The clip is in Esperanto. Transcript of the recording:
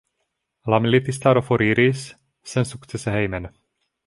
La militistaro foriris sensukcese hejmen.